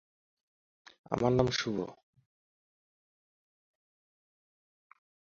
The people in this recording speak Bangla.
তিনি প্রথম ইসলাম ধর্ম গ্রহণকারী ব্যক্তি।